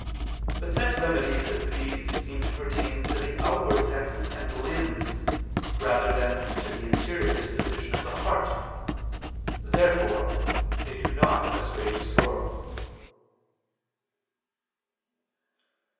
But such remedies as these seem to pertain to the outward senses and limbs, rather than to the interior disposition of the heart. Therefore they do not assuage sorrow.